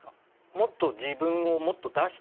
もっと自分をもっと出して。